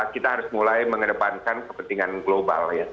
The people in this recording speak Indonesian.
kita harus mulai mengedepankan kepentingan global ya